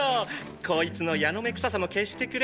こいつのヤノメ臭さも消してくれ。